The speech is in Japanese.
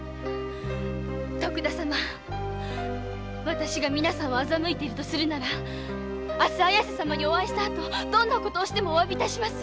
私が欺いているのなら明日綾瀬様にお会いしたあとどんな事をしてもお詫びします。